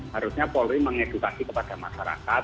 harusnya polri mengedukasi kepada masyarakat